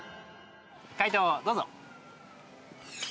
解答どうぞ。